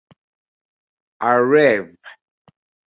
A Rev.